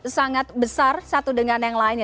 sangat besar satu dengan yang lainnya